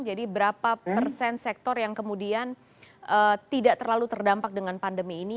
jadi berapa persen sektor yang kemudian tidak terlalu terdampak dengan pandemi ini